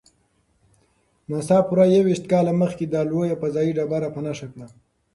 ناسا پوره یوویشت کاله مخکې دا لویه فضايي ډبره په نښه کړه.